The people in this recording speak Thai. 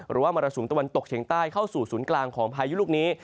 มรสุมตะวันตกเฉียงใต้เข้าสู่ศูนย์กลางของพายุลูกนี้